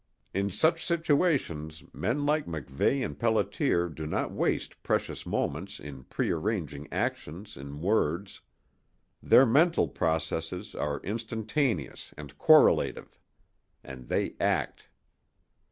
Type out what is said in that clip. In such situations men like MacVeigh and Pelliter do not waste precious moments in prearranging actions in words. Their mental processes are instantaneous and correlative and they act.